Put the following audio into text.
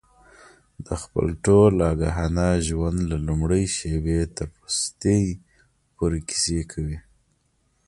د خپل ټول آګاهانه ژوند له لومړۍ شېبې تر وروستۍ پورې کیسې کوي.